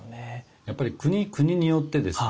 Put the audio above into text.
やっぱり国によってですね